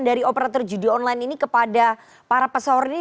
dari operator judi online ini kepada para pesohor ini